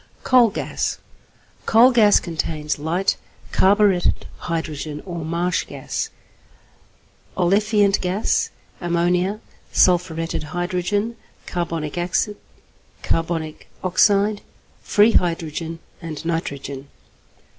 =Coal Gas.= Coal gas contains light carburetted hydrogen or marsh gas, olefiant gas, ammonia, sulphuretted hydrogen, carbonic acid, carbonic oxide, free hydrogen, and nitrogen.